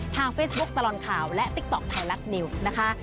ทางเฟสบุ๊คตลอนข่าวและติ๊กต๊อกไทยลักษณ์นิวนะคะ